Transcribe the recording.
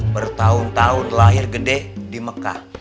bertahun tahun lahir gede di mekah